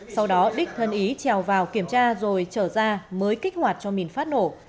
sau đó đích thân ý trèo vào kiểm tra rồi trở ra mới kích hoạt cho mìn phát nổ